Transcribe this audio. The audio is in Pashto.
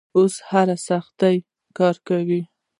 اوس هر سخت کار کوي.